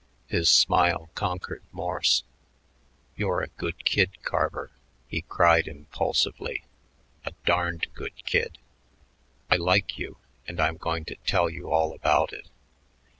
His smile conquered Morse. "You're a good kid, Carver," he cried impulsively. "A darn good kid. I like you, and I'm going to tell you all about it.